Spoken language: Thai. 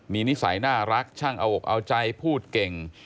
มีนิสัยน่ารักช่างเอาอกเอาใจพูดเก่ง